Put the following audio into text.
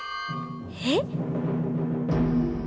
えっ？